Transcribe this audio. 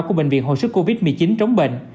của bệnh viện hồi sức covid một mươi chín trống bệnh